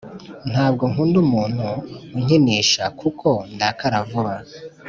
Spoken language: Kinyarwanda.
ntabwo nkunda umuntu unkinisha kuko ndakara vuba